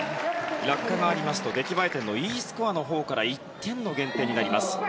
落下がありますと出来栄え点のＥスコアのほうから１点の減点になります。